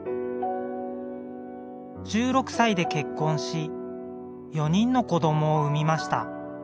１６歳で結婚し４人の子どもを産みました。